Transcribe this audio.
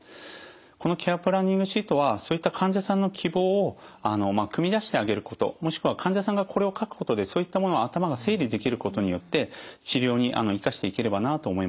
このケア・プランニングシートはそういった患者さんの希望をくみ出してあげることもしくは患者さんがこれを書くことでそういったものを頭が整理できることによって治療に生かしていければなと思います。